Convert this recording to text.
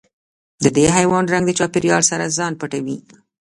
د دې حیوان رنګ د چاپېریال سره ځان پټوي.